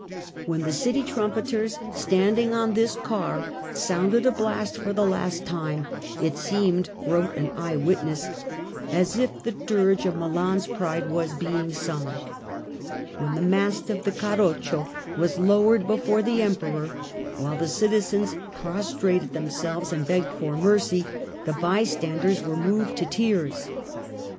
When the city trumpeters, standing on this car, sounded a blast for the last time, it seemed, wrote an eye witness, as if the dirge of Milan's pride were being sung. When the mast of the carroccio was lowered before the Emperor, while the citizens prostrated themselves and begged for mercy, the bystanders were moved to tears.